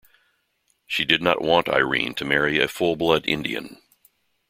She did not want Irene to marry a full-blood Indian.